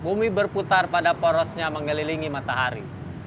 bumi berputar pada porosnya mengelilingi matahari